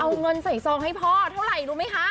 เอาเงินใส่ซองให้พ่อเท่าไหร่รู้ไหมคะ